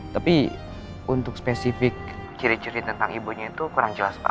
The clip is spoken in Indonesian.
tapi untuk spesifik ciri ciri tentang ibunya itu kurang jelas pak